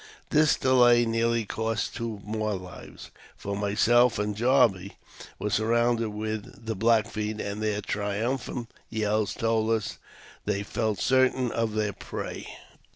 This delay nearly cost two more lives, for myself 102 AUTOBIOGBAPHY OF and Jarvey were surroui)ded with the Black Feet, and their triumphant yells told us they felt certain of their prey.